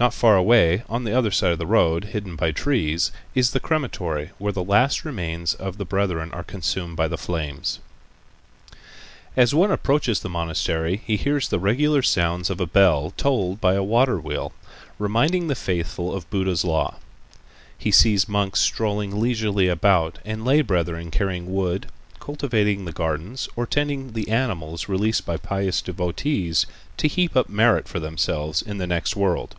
Not far away on the other side of the road, hidden by trees, is the crematory where the last remains of the brethren are consumed by the flames. As one approaches the monastery he hears the regular sounds of a bell tolled by a water wheel, reminding the faithful of Buddha's law. He sees monks strolling leisurely about and lay brethren carrying wood, cultivating the gardens, or tending the animals released by pious devotees to heap up merit for themselves in the next world.